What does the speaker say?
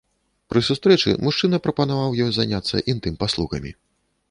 Пры сустрэчы мужчына прапанаваў ёй заняцца інтым-паслугамі.